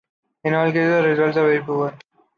In all cases, the results are very poor.